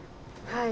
はい。